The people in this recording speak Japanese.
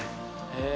へえ。